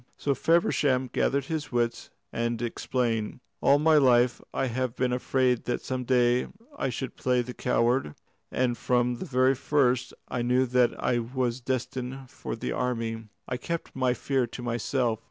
So Feversham gathered his wits and explained: "All my life I have been afraid that some day I should play the coward, and from the very first I knew that I was destined for the army. I kept my fear to myself.